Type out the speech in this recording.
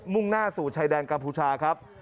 ่งหน้าสู่ชายแดนกัมพูชาครับ